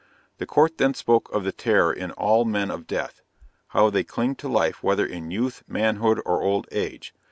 The Court then spoke of the terror in all men of death! how they cling to life whether in youth, manhood or old age.